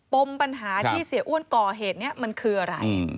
ปมปัญหาที่เสียอ้วนก่อเหตุนี้มันคืออะไร